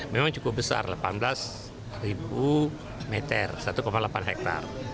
memang cukup besar delapan belas meter satu delapan hektare